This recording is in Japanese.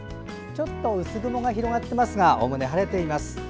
ちょっと薄曇が広がっていますがおおむね晴れています。